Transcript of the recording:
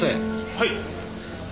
はい。